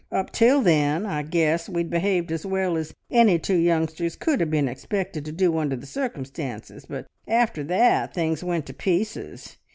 Up till then, I guess, we'd behaved as well as any two youngsters could have been expected to do under the circumstances, but after that things went to pieces.